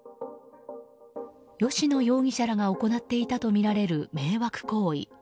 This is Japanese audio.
吉野容疑者らが行っていたとみられる迷惑行為。